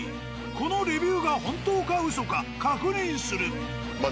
このレビューが本当かウソか確認する。